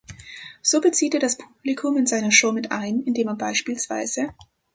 So bezieht er das Publikum in seine Show mit ein, indem er bspw.